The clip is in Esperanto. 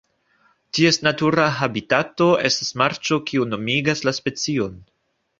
Ties natura habitato estas marĉo kio nomigas la specion.